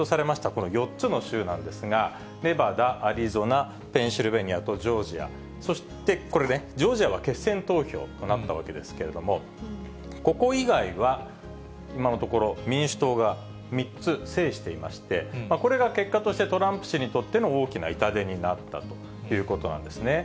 この４つの州なんですが、ネバダ、アリゾナ、ペンシルベニアとジョージア、そしてこれね、ジョージアは決選投票となったわけですけれども、ここ以外は、今のところ、民主党が３つ制していまして、これが結果として、トランプ氏にとっての大きな痛手になったということなんですね。